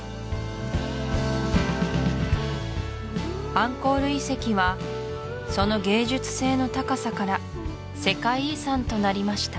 アンコール遺跡はその芸術性の高さから世界遺産となりました